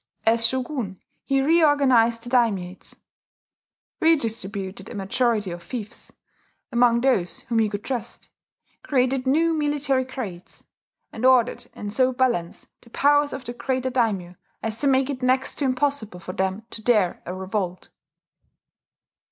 As shogun, he reorganized the daimiates, redistributed a majority of fiefs; among those whom he could trust, created new military grades, and ordered and so balanced the powers of the greater daimyo as to make it next to impossible for them to dare a revolt.